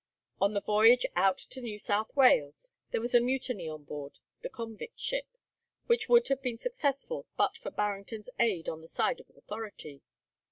On the voyage out to New South Wales there was a mutiny on board the convict ship, which would have been successful but for Barrington's aid on the side of authority.